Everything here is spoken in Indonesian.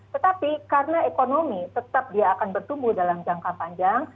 tetapi karena ekonomi tetap dia akan bertumbuh dalam jangka panjang